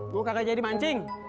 gue kagak jadi mancing